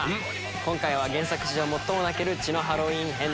今回は原作史上最も泣ける「血のハロウィン編」です。